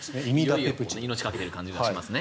いかにも命をかけてる感じがしますね。